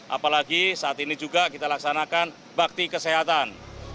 apalagi saat ini juga kita laksanakan bakti kesehatan